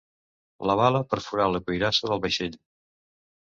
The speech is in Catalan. La bala perforà la cuirassa del vaixell.